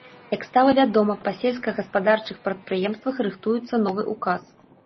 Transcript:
Як стала вядома, па сельскагаспадарчых прадпрыемствах рыхтуецца новы ўказ.